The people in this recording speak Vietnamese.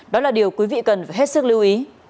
đó là điều quý vị cần phải hết sức lưu ý